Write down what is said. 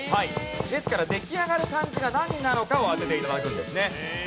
ですから出来上がる漢字が何なのかを当てて頂くんですね。